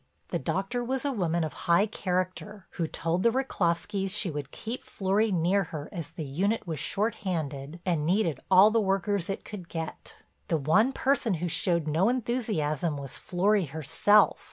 The doctor was a woman of high character who told the Rychlovskys she would keep Florry near her as the unit was shorthanded and needed all the workers it could get. The one person who showed no enthusiasm was Florry herself.